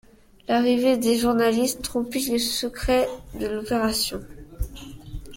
L'arrivée des journalistes rompit le secret de l'opération.